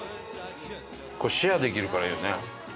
これ、シェアできるからいいよね。